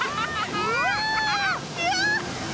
うわ！